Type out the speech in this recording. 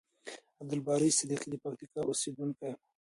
عبدالباری صدیقی د پکتیکا اوسیدونکی یم.